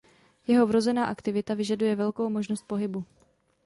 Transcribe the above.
Jeho vrozená aktivita vyžaduje velkou možnost pohybu.